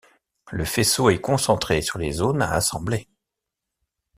Le faisceau est concentré sur les zones à assembler.